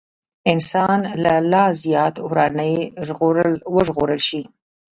انسان له لا زيات وراني وژغورل شي.